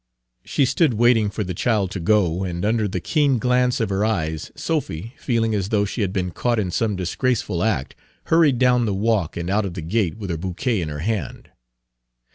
She stood waiting for the child to go, and under the keen glance of her eyes Sophy, feeling as though she had been caught in some disgraceful act, hurried down the walk and out of the gate, with her bouquet in her hand.